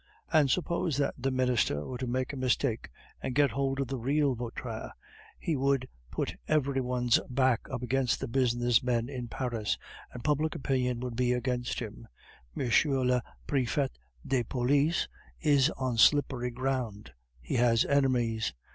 "And suppose that the Minister were to make a mistake and get hold of the real Vautrin, he would put every one's back up among the business men in Paris, and public opinion would be against him. M. le Prefet de Police is on slippery ground; he has enemies.